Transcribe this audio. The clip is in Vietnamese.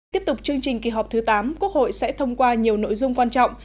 tiếp tục chương trình kỳ họp thứ tám quốc hội sẽ thông qua nhiều nội dung quan trọng